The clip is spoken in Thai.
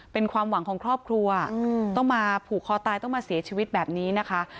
เป็นความหวังของครอบครัวต้องมาผูกคอตายต้องมาเสียชีวิตแบบนี้นะคะ